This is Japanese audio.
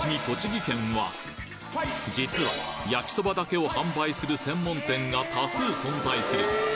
栃木県は実は焼きそばだけを販売する専門店が多数存在する